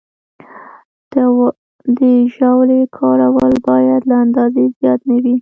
د ژاولې کارول باید له اندازې زیات نه وي.